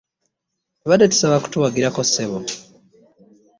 Tubadde tusaba kutuwagirako ssebo.